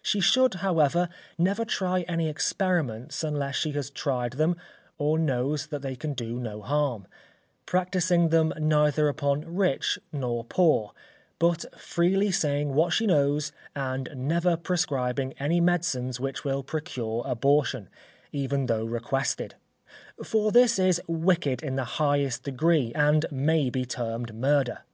She should, however, never try any experiments unless she has tried them, or knows that they can do no harm; practising them neither upon rich nor poor, but freely saying what she knows, and never prescribing any medicines which will procure abortion, even though requested; for this is wicked in the highest degree, and may be termed murder.